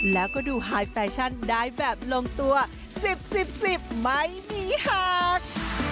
แล้วก็ดูไฮแฟชั่นได้แบบลงตัว๑๐๑๐๑๐๑๐ไม่มีหาก